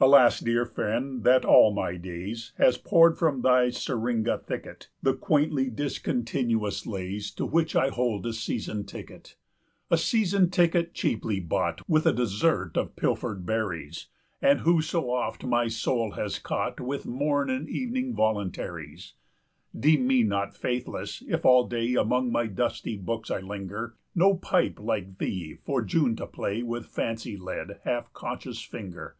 "Alas, dear friend, that, all my days, Has poured from thy syringa thicket 30 The quaintly discontinuous lays To which I hold a season ticket, "A season ticket cheaply bought With a dessert of pilfered berries, And who so oft my soul has caught 35 With morn and evening voluntaries, "Deem me not faithless, if all day Among my dusty books I linger, No pipe, like thee, for June to play With fancy led, half conscious finger.